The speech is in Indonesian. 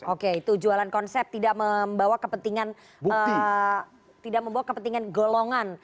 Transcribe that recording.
oke itu jualan konsep tidak membawa kepentingan golongan